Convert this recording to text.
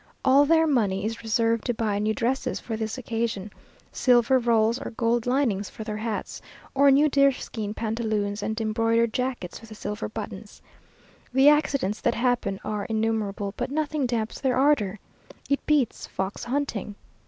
All their money is reserved to buy new dresses for this occasion, silver rolls or gold linings for their hats, or new deerskin pantaloons and embroidered jackets with silver buttons. The accidents that happen are innumerable, but nothing damps their ardour. _It beats fox hunting.